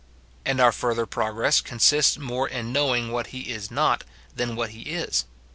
And our fur ther progress consists more in knowing what he is not, than what he is.